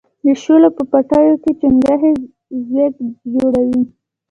د شولو په پټیو کې چنگښې ځوږ جوړوي.